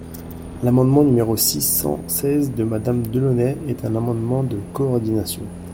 L’amendement numéro six cent seize de Madame Delaunay est un amendement de coordination.